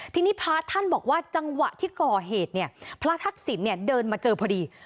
ทีนี้พระท่านบอกว่าจังหวะที่ก่อเหตุเนี่ยพระทักษิณเดินมาเจอพอดี